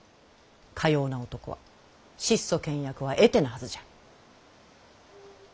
かような男は質素倹約は得手なはずじゃ！